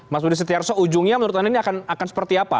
mas budi setiarso ujungnya menurut anda ini akan seperti apa